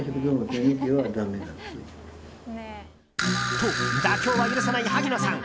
と、妥協は許さない萩野さん。